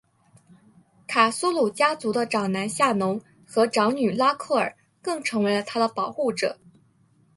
卡苏鲁家族的长男夏农和长女拉蔻儿更成为了她的保护者。